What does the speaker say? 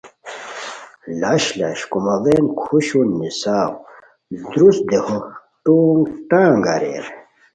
لش لش کوماڑین کھوشون نیساؤ درست دیہو ٹونگ ٹانگ اریر